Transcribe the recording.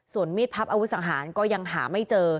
ส่วนมีดพับอาวุธสังหารก็ยังหาไม่เจอ